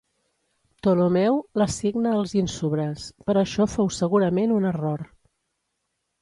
Ptolemeu l'assigna als Ínsubres, però això fou segurament un error.